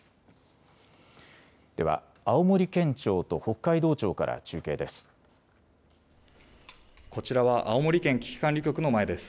では青森県庁と北海道庁から中継です。